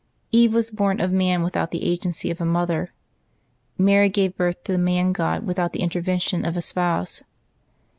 Eve was born of man without the agency of a mother; Mary gave birth to the Man God without the intervention of a spouse.